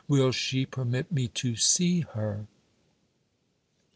Will she permit me to see her?